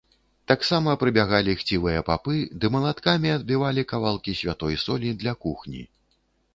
Таксама прыбягалі хцівыя папы ды малаткамі адбівалі кавалкі святой солі для кухні.